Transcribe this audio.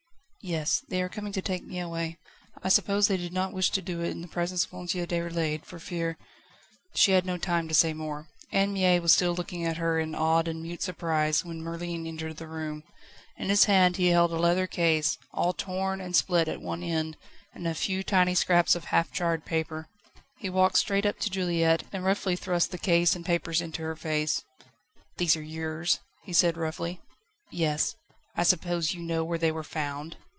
"Yes; they are coming to take me away. I suppose they did not wish to do it in the presence of Mr. Déroulède, for fear ..." She had no time to say more. Anne Mie was still looking at her in awed and mute surprise, when Merlin entered the room. In his hand he held a leather case, all torn, and split at one end, and a few tiny scraps of half charred paper. He walked straight up to Juliette, and roughly thrust the case and papers into her face. "These are yours?" he said roughly. "Yes." "I suppose you know where they were found?"